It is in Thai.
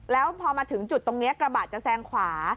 แล้วพอมาถึงจุดตรงนี้กระบะจะแซงขวา